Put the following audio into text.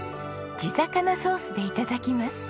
地魚ソースで頂きます。